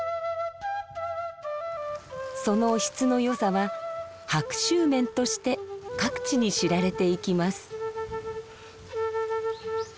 その質の良さは伯州綿として各地に知られていきます。